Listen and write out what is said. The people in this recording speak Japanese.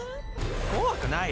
怖くない。